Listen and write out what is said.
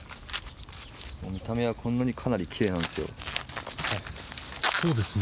見た目はこんなに、かなりきれいなんですよ。